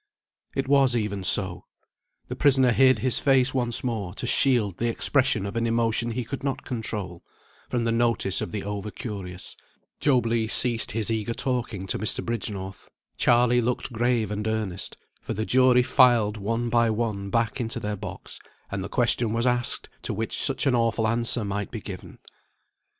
It was even so. The prisoner hid his face once more to shield the expression of an emotion he could not control, from the notice of the over curious; Job Legh ceased his eager talking to Mr. Bridgenorth; Charley looked grave and earnest; for the jury filed one by one back into their box, and the question was asked to which such an awful answer might be given.